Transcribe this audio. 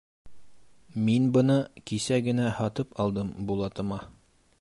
Мин быны кисә генә һатып алдым Булатыма.